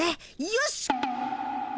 よし！